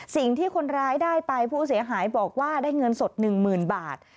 สิ่งที่คนร้ายได้ไปผู้เสียหายบอกว่าได้เงินสด๑๐๐๐บาท